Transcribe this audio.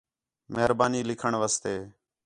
مہربانی لِکھݨ واسطے